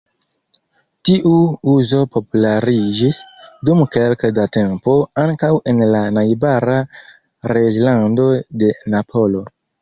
Tiu uzo populariĝis, dum kelke da tempo, ankaŭ en la najbara "Reĝlando de Napolo".